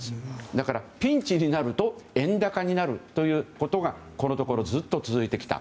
だからピンチになると円高になるということがこのところずっと続いてきた。